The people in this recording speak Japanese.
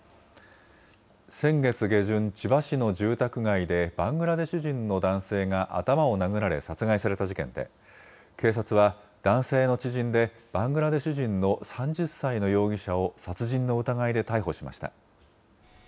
先月下旬、千葉市の住宅街で、バングラデシュ人の男性が頭を殴られ、殺害された事件で、警察は男性の知人でバングラデシュ人の３０歳の容疑者を殺人の疑いで逮捕しました。